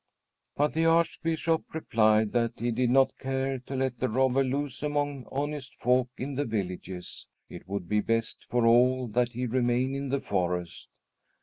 But the Archbishop replied that he did not care to let the robber loose among honest folk in the villages. It would be best for all that he remain in the forest.